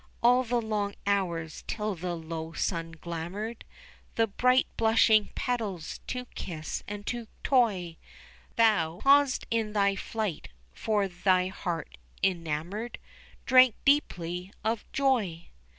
All the long hours till the low sun glamoured The bright blushing petals to kiss and to toy, Thou paused in thy flight, for thy heart enamoured Drank deeply of joy.